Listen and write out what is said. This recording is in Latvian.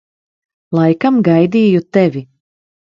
Laikam gaidīju tevi.